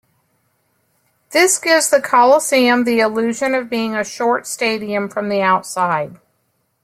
This gives the Coliseum the illusion of being a short stadium from the outside.